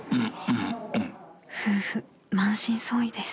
［夫婦満身創痍です］